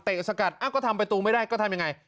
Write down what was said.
เตะออกสกัดก็ทำประตูไม่ได้ก็ทำอย่างไร